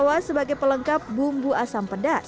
air asam jawa sebagai pelengkap bumbu asam pedas